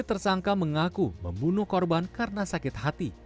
tersangka mengaku membunuh korban karena sakit hati